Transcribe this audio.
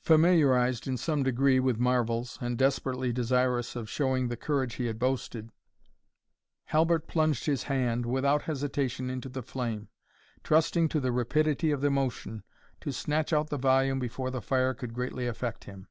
Familiarized in some degree with marvels, and desperately desirous of showing the courage he had boasted, Halbert plunged his hand, without hesitation, into the flame, trusting to the rapidity of the motion, to snatch out the volume before the fire could greatly affect him.